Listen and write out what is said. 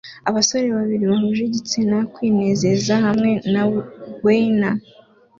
abasore babiri bahuje igitsina kwinezeza hamwe na weiner